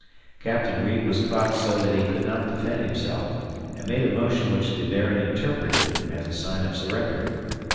Captain Reid was caught so that he could not defend himself and made a motion which the Baron interpreted as a sign of surrender.